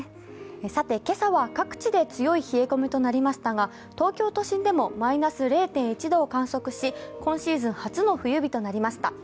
さて、今朝は各地で強い冷え込みとなりましたが、東京都心でもマイナス０．１度を観測し、今シーズン初の冬日となりました。